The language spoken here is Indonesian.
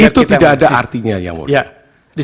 itu tidak ada artinya yang mulia